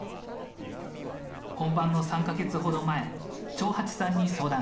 本番の３か月ほど前長八さんに相談した。